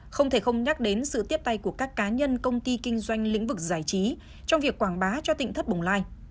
không thể không nhắc đến sự tiếp tay của các cá nhân công ty kinh doanh lĩnh vực giải trí trong việc quảng bá cho tỉnh thất bồng lai